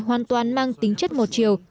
hoàn toàn mang tính chất một chiều